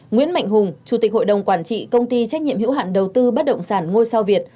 nguyễn mạnh hùng chủ tịch hội đồng quản trị công ty trách nhiệm hữu hạn đầu tư bất động sản ngôi sao việt